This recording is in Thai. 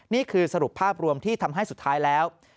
นี่คือสรุปภาพรวมที่ทำให้สุดท้ายแล้ว